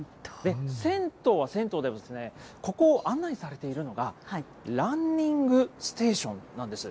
銭湯は銭湯でも、ここ、案内されているのが、ランニングステーションなんです。